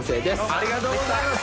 ありがとうございます！